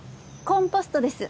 コンポストです。